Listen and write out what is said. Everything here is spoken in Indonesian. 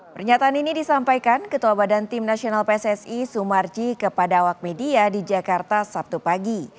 pernyataan ini disampaikan ketua badan tim nasional pssi sumarji kepada awak media di jakarta sabtu pagi